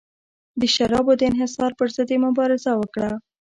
د شرابو د انحصار پرضد یې مبارزه وکړه.